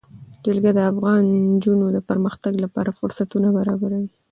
جلګه د افغان نجونو د پرمختګ لپاره فرصتونه برابروي.